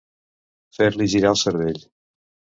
Fer-li girar el cervell.